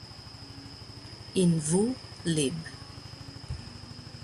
In V. lib.